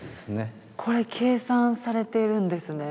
これ計算されているんですね。